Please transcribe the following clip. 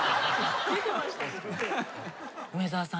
梅沢さん。